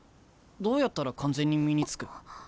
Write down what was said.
どうやったら完全に身につく？